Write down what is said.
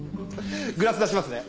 グラス出しますね